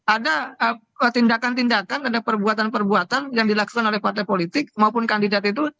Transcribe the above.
ada tindakan tindakan ada perbuatan perbuatan yang dilakukan oleh partai politik maupun kandidat itu